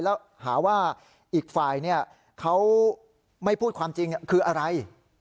แล้วหาว่าอีกฝ่ายเขาไม่พูดความจริงคืออะไร